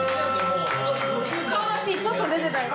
魂ちょっと出てたよ。